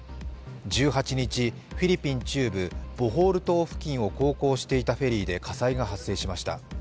１８日、フィリピン中部ボホール島付近を航行していたフェリーで火災が発生しました。